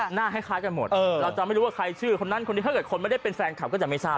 หน้าคล้ายกันหมดเราจะไม่รู้ว่าใครชื่อคนนั้นคนนี้ถ้าเกิดคนไม่ได้เป็นแฟนคลับก็จะไม่ทราบ